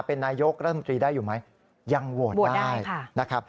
เป็นนายกรัฐมนตรีได้อยู่ไหมยังโหวตได้นะครับ